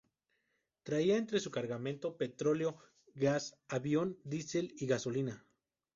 Traía entre su cargamento petróleo, gas-avión, diesel, y gasolina.